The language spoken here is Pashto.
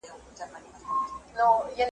او سارنګ څه وايي .